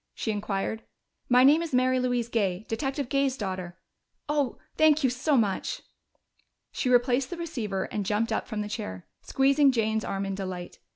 she inquired. "My name is Mary Louise Gay Detective Gay's daughter.... Oh, thank you so much!" She replaced the receiver and jumped up from the chair, squeezing Jane's arm in delight.